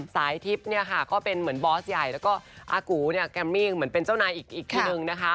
สายทิพย์เนี่ยค่ะก็เป็นเหมือนบอสใหญ่แล้วก็อากูเนี่ยแกมมี่เหมือนเป็นเจ้านายอีกทีนึงนะคะ